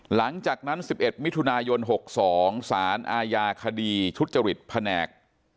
หลังจากนั้นสิบเอ็ดมิถุนายนหกสองสารอาญาคดีชุดจริตแผนก